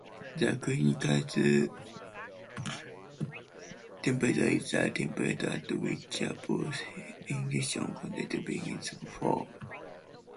The critical temperature is the temperature at which a Bose-Einstein condensate begins to form.